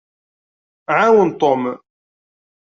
Ɛawen Tom.